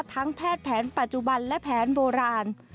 แพทย์แผนปัจจุบันและแผนโบราณ